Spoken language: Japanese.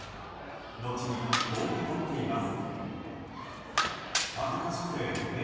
後にこう語っています。